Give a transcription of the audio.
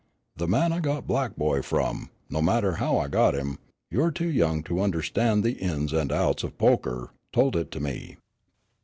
The man I got Black Boy from, no matter how I got him, you're too young to understand the ins and outs of poker, told it to me."